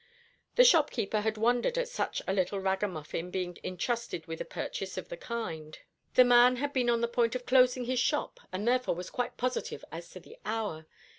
The shopkeeper had wondered at such a little ragamuffin being intrusted with a purchase of the kind. The man had been on the point of closing his shop, and therefore was quite positive as to the hour.